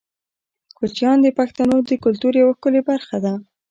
کوچیان د پښتنو د کلتور یوه ښکلې برخه ده.